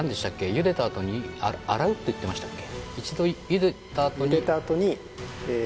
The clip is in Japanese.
茹でたあとに洗うって言ってましたっけ？